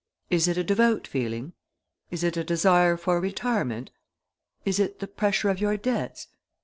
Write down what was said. Is it a devout feeling? Is it a desire for retirement? Is it the pressure of your debts?